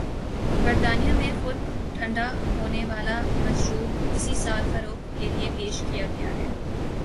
برطانیہ میں خود ٹھنڈا ہونے والا مشروب اسی سال فروخت کے لئے پیش کیاجائے گا۔